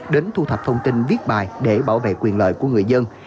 đến thu thập thông tin viết bài để bảo vệ quyền lợi của người dân